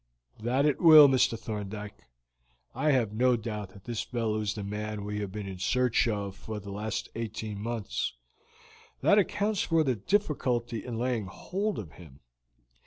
"That it will, Mr. Thorndyke. I have no doubt that this fellow is the man we have been in search of for the last eighteen months; that accounts for our difficulty in laying hold of him.